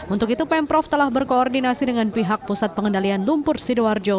untuk itu pemprov telah berkoordinasi dengan pihak pusat pengendalian lumpur sidoarjo